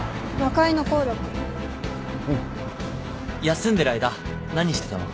休んでる間何してたの？